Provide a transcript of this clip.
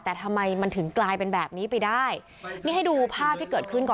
แต่ทำไมมันถึงกลายเป็นแบบนี้ไปได้นี่ให้ดูภาพที่เกิดขึ้นก่อน